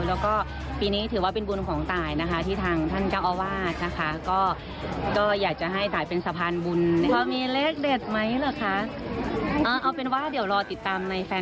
แล้วก็ปีนี้ถือว่าเป็นบุญของตายนะคะที่ทางท่านเจ้าอาวาสนะคะ